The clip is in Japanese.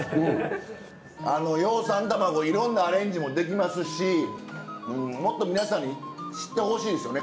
葉酸たまごいろんなアレンジもできますしもっと皆さんに知ってほしいですよね。